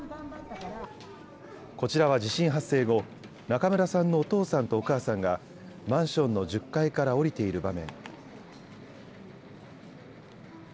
こちらは地震発生後、中村さんのお父さんとお母さんがマンションの１０階から降りている場面。